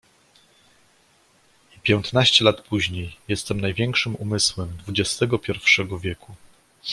I piętnaście lat później jestem największym umysłem dwudziestego pierwszego wieku.